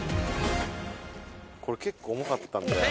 これ、結構重かったんだよな。